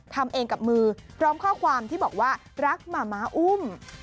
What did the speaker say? ทำเองกับมือพร้อมข้อความที่บอกว่ารักหมาม้าอุ้ม